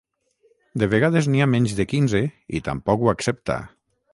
De vegades n'hi ha menys de quinze i tampoc ho accepta